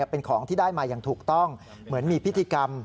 เป็นของที่ได้มาอย่างถูกต้องเหมือนมีพิธีกรรม